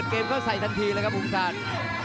แล้วก็ใส่ทันทีเลยครับอุ้มศาสตร์